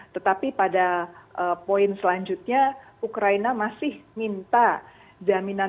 tetapi pada poin selanjutnya ukraina masih minta jaminan